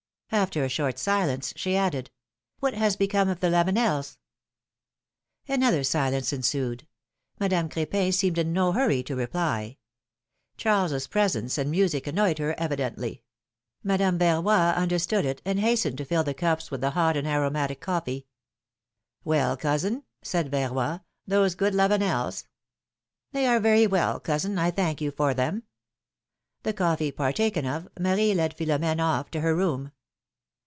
^^ After a short silence, she added : What has become of the Lavenels ? Another silerfce ensued. Madame Cr^pin seemed in no hurry to reply. Charles' presence and music an noyed her, evidently; Madame Verroy understood it, and hastened to fill the cups with the hot and aromatic coffee. ^AVell, cousin," said Verroy, those good Lavenels?" They are very well, cousin, I thank you, for them." The coffee partaken of, Marie led Philom^ne off to her room.